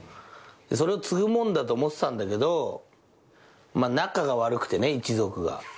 でそれを継ぐもんだと思ってたんだけど仲が悪くてね一族が。